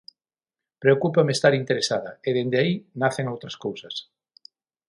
Preocúpame estar interesada, e dende aí, nacen outras cousas.